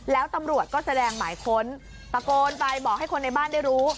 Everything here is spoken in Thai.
แล้วตำรวจก็แสดงหมายค้นตะโกนไปบอกให้คนในบ้านได้รู้